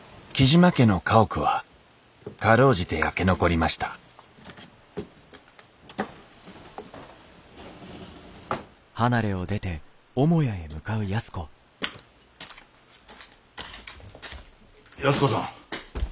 雉真家の家屋は辛うじて焼け残りました安子さん。